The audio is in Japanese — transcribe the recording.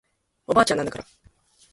おばあちゃんなんだから